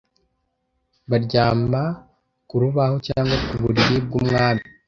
b baryama ku rubaho cyangwa ku buriri bw'umwami